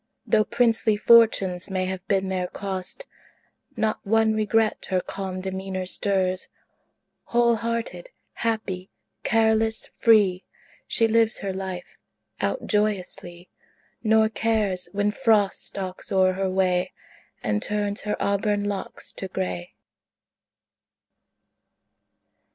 Though princely fortunes may have been their cost, Not one regret her calm demeanor stirs. Whole hearted, happy, careless, free, She lives her life out joyously, Nor cares when Frost stalks o'er her way And turns her auburn locks to gray.